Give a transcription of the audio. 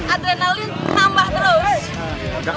adrenalin nambah terus